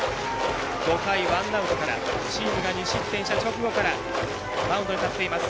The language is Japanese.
５回ワンアウトからチームが２失点した直後からマウンドに立っています。